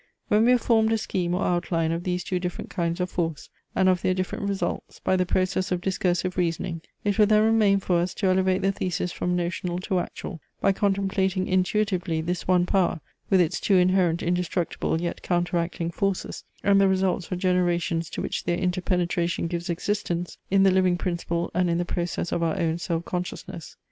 When we have formed a scheme or outline of these two different kinds of force, and of their different results, by the process of discursive reasoning, it will then remain for us to elevate the thesis from notional to actual, by contemplating intuitively this one power with its two inherent indestructible yet counteracting forces, and the results or generations to which their inter penetration gives existence, in the living principle and in the process of our own self consciousness.